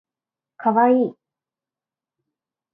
かわいい